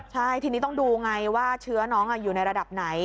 ใช่ทีนี้ต้องดูไงว่าเชื้อน้องอยู่ในระดับไหน